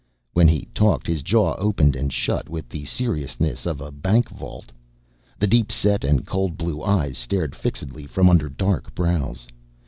When he talked his jaw opened and shut with the seriousness of a bank vault. The deep set and cold blue eyes stared fixedly from under dark brows.